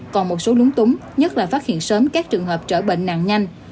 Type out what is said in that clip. còn một số lúng túng nhất là phát hiện sớm các trường hợp trở bệnh nặng nhanh